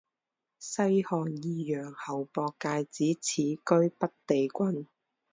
西汉义阳侯傅介子始居北地郡。